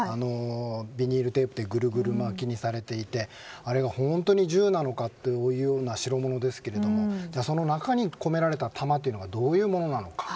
ビニールテープでぐるぐる巻きにされていてあれが本当に銃なのかという代物ですけどその中に込められた弾がどういうものなのか。